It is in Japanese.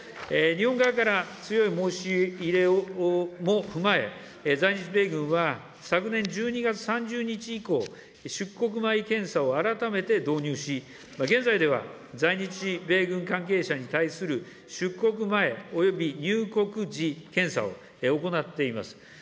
日本側から強い申し入れも踏まえ、在日米軍は昨年１２月３０日以降、出国前検査を改めて導入し、現在では、在日米軍関係者に対する出国前および入国時検査を行っています。